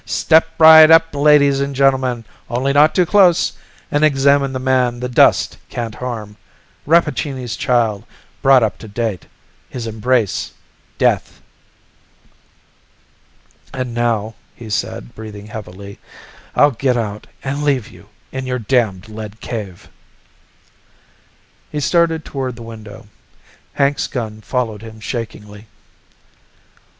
Step right up, ladies and gentlemen only not too close! and examine the man the dust can't harm. Rappaccini's child, brought up to date; his embrace, death! "And now," he said, breathing heavily, "I'll get out and leave you in your damned lead cave." He started toward the window. Hank's gun followed him shakingly.